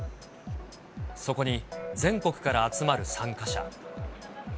そこに全国から集まる参加者。